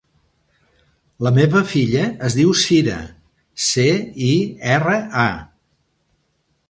La meva filla es diu Cira: ce, i, erra, a.